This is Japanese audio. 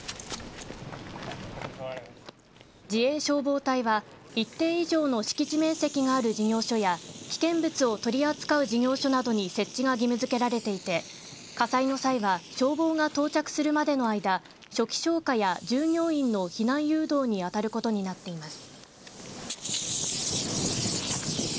自衛消防隊は、一定以上の敷地面積がある事業所や危険物を取り扱う事業者などに設置が義務づけられていて火災の際は消防が到着するまでの間初期消火や従業員の避難誘導に当たることになっています。